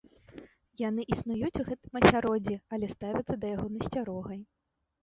Яны існуюць у гэтым асяроддзі, але ставяцца да яго з насцярогай.